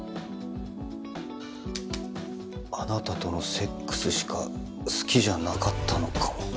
「あなたとのセックスしか好きじゃなかったのかも」。